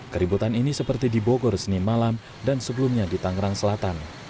keributan ini seperti di bogor senin malam dan sebelumnya di tangerang selatan